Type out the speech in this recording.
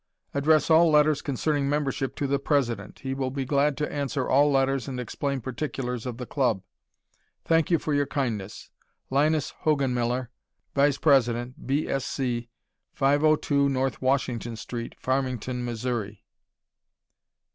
Address all letters concerning membership to the President. He will be glad to answer all letters and explain particulars of the club. Thank you for your kindness. Linus Hogenmiller, Vice President B. S. C., 502 N. Washington St., Farmington, Missouri.